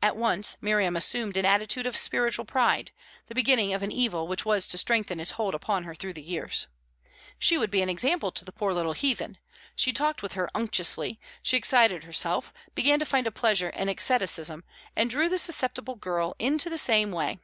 At once Miriam assumed an attitude of spiritual pride the beginning of an evil which was to strengthen its hold upon her through years. She would be an example to the poor little heathen; she talked with her unctuously; she excited herself, began to find a pleasure in asceticism, and drew the susceptible girl into the same way.